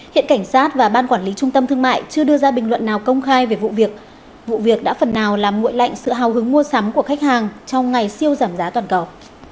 hiện cảnh sát và ban quản lý trung tâm thương mại chưa đưa ra bình luận nào công khai về vụ việc vụ việc đã phần nào làm nguội lạnh sự hào hứng mua sắm của khách hàng trong ngày siêu giảm giá toàn cầu